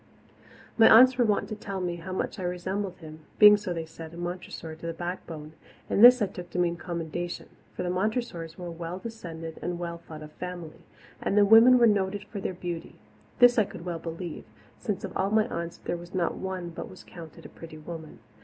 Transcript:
My aunts were wont to tell me how much I resembled him, being, so they said, a Montressor to the backbone; and this I took to mean commendation, for the Montressors were a well descended and well thought of family, and the women were noted for their beauty. This I could well believe, since of all my aunts there was not one but was counted a pretty woman.